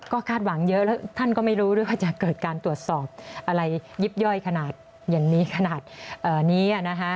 ก็คาดหวังเยอะแล้วท่านก็ไม่รู้ด้วยว่าจะเกิดการตรวจสอบอะไรยิบย่อยขนาดอย่างนี้ขนาดนี้